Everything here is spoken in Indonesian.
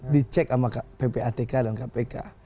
dicek sama ppatk dan kpk